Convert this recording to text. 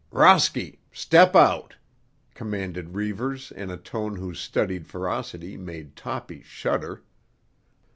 "Rosky! Step out!" commanded Reivers in a tone whose studied ferocity made Toppy shudder.